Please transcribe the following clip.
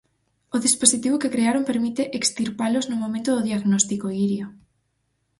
O dispositivo que crearon permite extirpalos no momento do diagnóstico, Iria.